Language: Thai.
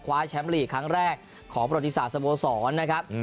แชมป์ลีกครั้งแรกของประติศาสตร์สโมสรนะครับ